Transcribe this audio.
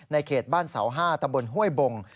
เขตบ้านเสา๕ตำบลห้วยบง